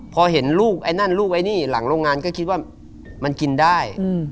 พอเห็นลูกไอ้นั่นลูกไอ้นี่หลังโรงงานก็คิดว่ามันกินได้